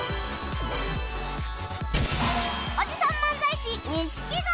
おじさん漫才師錦鯉